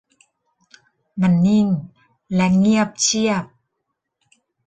มันนิ่งและเงียบเชียบ